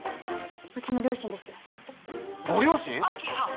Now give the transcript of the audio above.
うちの両親ですご両親！？